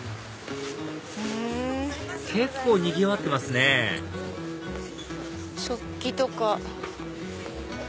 結構にぎわってますね食器とか。